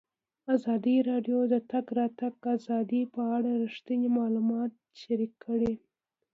ازادي راډیو د د تګ راتګ ازادي په اړه رښتیني معلومات شریک کړي.